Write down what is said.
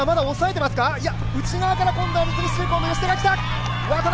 いや、内側から今度は三菱重工の吉田が来た。